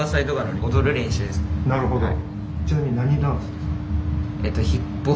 なるほど。